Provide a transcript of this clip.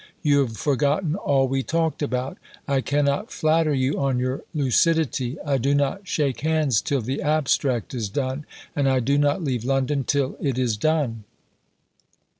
"You have forgotten all we talked about." "I cannot flatter you on your lucidity." "I do not shake hands till the Abstract is done; and I do not leave London till it is done."